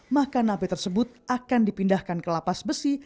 maka napi tersebut akan dipindahkan ke lapas besi